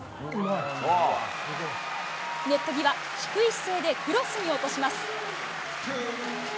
ネット際、低い姿勢でクロスに落とします。